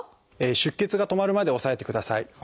出血が止まるまで押さえてください。